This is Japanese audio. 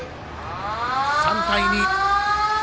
３対２。